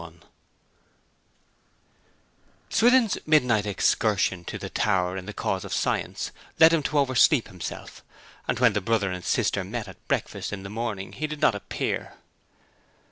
XXXI Swithin's midnight excursion to the tower in the cause of science led him to oversleep himself, and when the brother and sister met at breakfast in the morning he did not appear.